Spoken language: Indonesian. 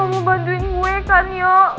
mau bantuin gue kan yuk